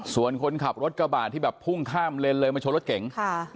ส่วนคนขับรถกระบาดที่แบบพุ่งข้ามเลนเลยมาชนรถเก๋งค่ะ